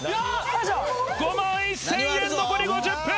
５万１０００円残り５０分！